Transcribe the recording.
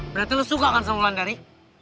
berarti lo suka kan sama wulandari